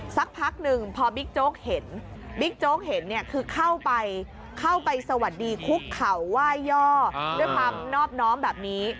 สักพักหนึ่งพอบิ๊กโจ๊กเห็นบิ๊กโจ๊กเห็นเนี่ยคือเข้าไปเข้าไปสวัสดีคุกเข่าไหว้ย่อด้วยความนอบน้อมแบบนี้